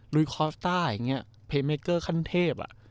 ลุยคอสตาร์ไอ้เงี้ยเปรย์แมคเกอร์ขั้นเทพ